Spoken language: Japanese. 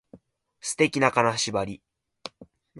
素敵な金縛り